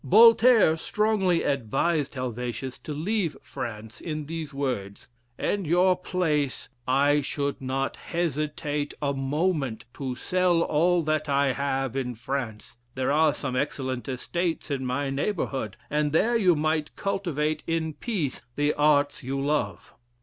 Voltaire strongly advised Helvetius to leave France in these words: "In your place, I should not hesitate a moment to sell all that I have in France; there are some excellent estates in my neighborhood, and there you might cultivate in peace the arts you love."